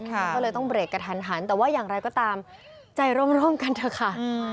ก็เลยต้องเบรกกระทันหันแต่ว่าอย่างไรก็ตามใจร่มกันเถอะค่ะ